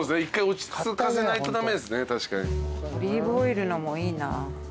オリーブオイルのもいいな。